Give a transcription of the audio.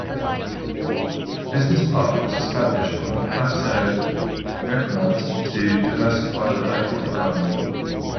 A business park was established on the plateau Vecmont to diversify the local economy.